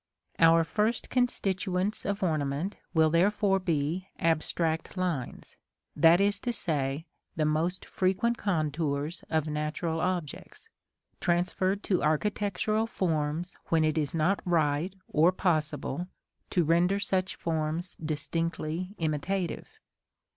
Our first constituents of ornament will therefore be abstract lines, that is to say, the most frequent contours of natural objects, transferred to architectural forms when it is not right or possible to render such forms distinctly imitative.